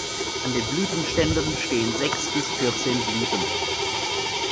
An den Blütenständen stehen sechs bis vierzehn Blüten.